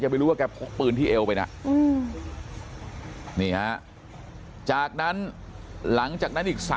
ไปรู้ว่าแกพกปืนที่เอวไปนะนี่ฮะจากนั้นหลังจากนั้นอีก